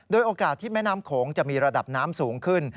โดยโอกาสที่แม่น้ำโขงจะมีระดับน้ำสูงขึ้น